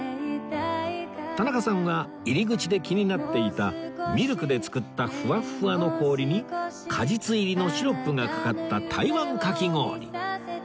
田中さんは入り口で気になっていたミルクで作ったふわっふわの氷に果実入りのシロップがかかった台湾かき氷